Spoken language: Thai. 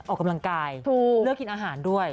ออกกำลังกายเลือกกินอาหารด้วย